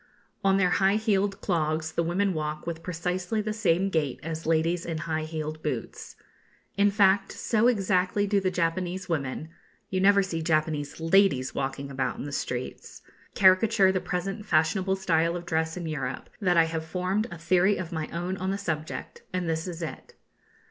On their high heeled clogs the women walk with precisely the same gait as ladies in high heeled boots. In fact, so exactly do the Japanese women (you never see Japanese ladies walking about in the streets) caricature the present fashionable style of dress in Europe, that I have formed a theory of my own on the subject, and this is it.